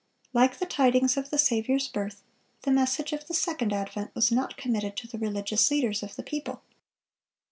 (514) Like the tidings of the Saviour's birth, the message of the second advent was not committed to the religious leaders of the people.